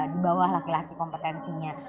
di bawah laki laki kompetensinya